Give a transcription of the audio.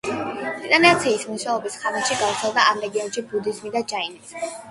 დინასტიის მმართველობის ხანაშივე გავრცელდა ამ რეგიონში ბუდიზმი და ჯაინიზმი.